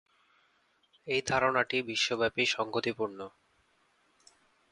এই ধারণাটি বিশ্বব্যাপী সঙ্গতিপূর্ণ।